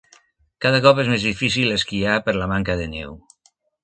Cada cop és més difícil esquiar per la manca de neu.